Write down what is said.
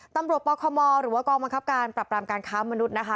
ตำรวจปลาคมอร์รหรือว่ากองบังคับการปรับรามการค้ามนุษย์นะคะ